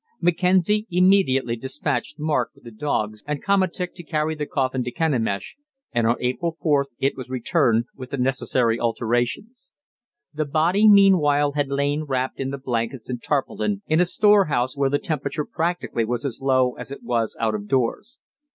Mackenzie immediately despatched Mark with the dogs and komatik to carry the coffin to Kenemish, and on April 4th it was returned with the necessary alterations. The body meanwhile had lain wrapped in the blankets and tarpaulin in a storehouse where the temperature practically was as low as it was out of doors.